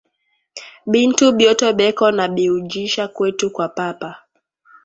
Bintu byote beko na biujisha kwetu kwa papa